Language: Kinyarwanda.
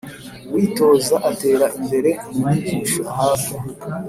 uwitoza atera imbere mu nyigisho ahabwa